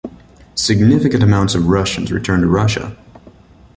Significant amounts of Russians returned to Russia.